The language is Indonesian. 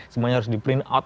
semuanya harus di print out